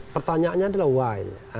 pertanyaannya adalah why